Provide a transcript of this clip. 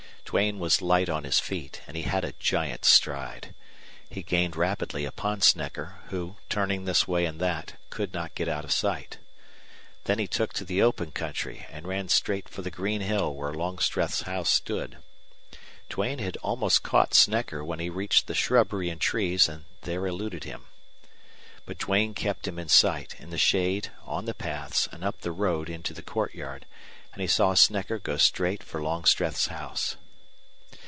Duane was light on his feet, and he had a giant stride. He gained rapidly upon Snecker, who, turning this way and that, could not get out of sight. Then he took to the open country and ran straight for the green hill where Longstreth's house stood. Duane had almost caught Snecker when he reached the shrubbery and trees and there eluded him. But Duane kept him in sight, in the shade, on the paths, and up the road into the courtyard, and he saw Snecker go straight for Longstreth's house.